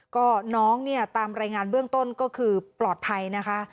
ก็น้องเนี่ยตามรายงานเบื้องต้นก็คือปลอดภัยนะคะ